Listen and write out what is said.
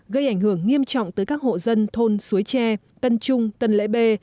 gây ảnh hưởng nghiêm trọng tới các hộ dân thôn suối tre tân trung tân lễ bê